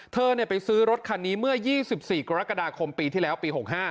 เธอไปซื้อรถคันนี้เมื่อ๒๔กรกฎาคมปีที่แล้วปี๖๕